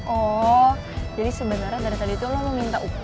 oh jadi sebenernya dari tadi lo mau minta upah